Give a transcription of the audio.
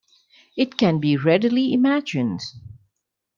It can be readily imagined.